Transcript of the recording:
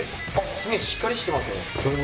すげえしっかりしてますね。